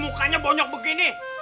mukanya bonyok begini